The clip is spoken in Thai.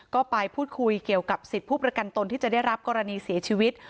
ก็ไปพูดคุยเกี่ยวกับสิทธิ์ผู้ประกันตนที่จะได้รับกรณีเสียชีวิต